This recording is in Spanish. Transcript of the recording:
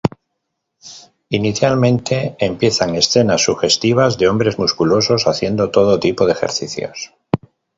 Inicialmente empiezan escenas sugestivas de hombres musculosos haciendo todo tipo de ejercicios.